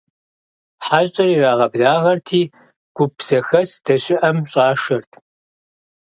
ХьэщӀэр ирагъэблагъэрти, гуп зэхэс здэщыӀэм щӀашэрт.